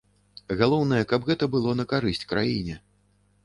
Галоўнае, каб гэта было на карысць краіне.